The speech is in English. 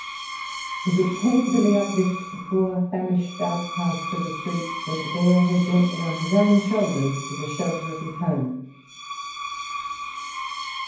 feotild tenderly uplift the poor, famished outcast of ■beets, and bear her gently on his own shoulders Be shelter of his home.